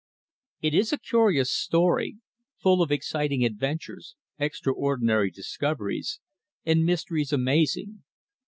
IT is a curious story, full of exciting adventures, extraordinary discoveries, and mysteries amazing.